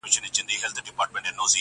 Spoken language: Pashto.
• ټولنه چوپتيا ته ترجېح ورکوي تل,